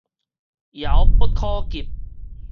遙不可及